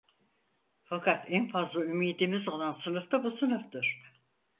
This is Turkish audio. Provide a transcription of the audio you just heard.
Fakat en fazla ümidimiz olan sınıf da bu sınıftır.